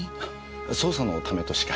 捜査のためとしか今は。